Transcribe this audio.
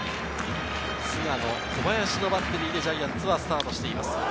菅野・小林のバッテリーでジャイアンツはスタートしています。